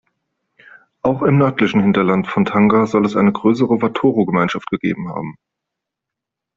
Auch im nördlichen Hinterland von Tanga soll es eine größere Watoro-Gemeinschaft gegeben haben.